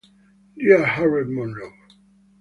Dear Harriet Monroe.